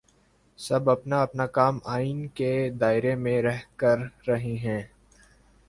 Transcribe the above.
سب اپنا اپنا کام آئین کے دائرے میں رہ کر رہے ہیں۔